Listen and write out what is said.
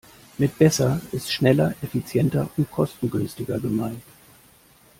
Mit besser ist schneller, effizienter und kostengünstiger gemeint.